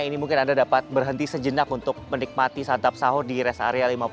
ini mungkin anda dapat berhenti sejenak untuk menikmati santap sahur di rest area lima puluh